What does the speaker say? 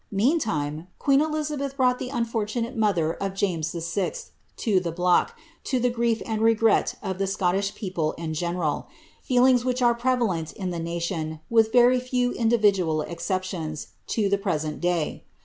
Meantime, queen Elixabeth brought the unfortunate mother of James VI. to the block, to the grief and regret of the Scottish people in general — feelings which are prevalent in the nation, with very few individual exceptions, to the pre sent day.